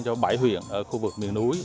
cho bảy huyện ở khu vực miền núi